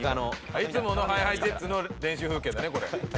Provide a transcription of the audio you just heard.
いつものＨｉＨｉＪｅｔｓの練習風景だねこれ。